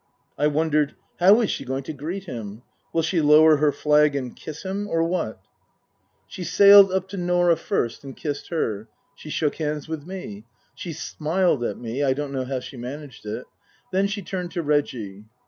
I wondered, " How is she going to greet him ? Will she lower her flag and kiss him, or what ?" Book II : Her Book 177 She sailed up to Nor ah first and kissed her. She shook hands with me. She smiled at me (I don't know how she managed it). Then she turned to Reggie.